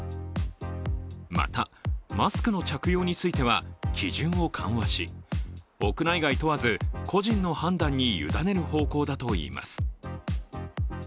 また、マスクの着用については基準を緩和し屋内外問わず、個人の判断に委ねる方向だといいます。